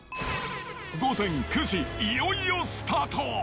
午前９時、いよいよスタート。